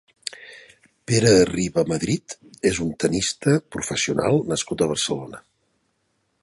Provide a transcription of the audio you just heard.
Pere Riba Madrid és un tennista professional nascut a Barcelona.